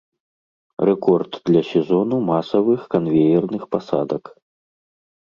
Рэкорд для сезону масавых канвеерных пасадак.